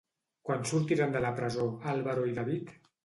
Quan sortiran de la presó Álvaro i David?